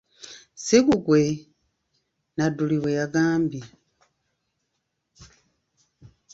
Ssi gugwe? Nadduli bwe yagambye.